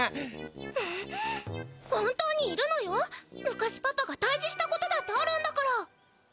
昔パパがたいじしたことだってあるんだから！